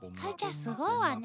すごいわね。